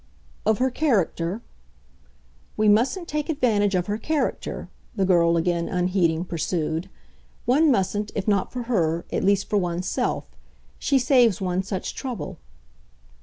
"Of her character?" "We mustn't take advantage of her character," the girl, again unheeding, pursued. "One mustn't, if not for HER, at least for one's self. She saves one such trouble."